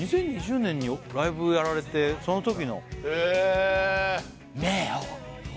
２０２０年にライブやられてそのときのへえ！